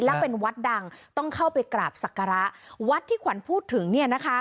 และเป็นวัดดังต้องเข้าไปกราบศักระวัดที่ขวัญพูดถึงเนี่ยนะคะ